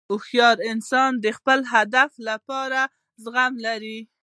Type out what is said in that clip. هوښیار انسان د خپل هدف لپاره زغم لري.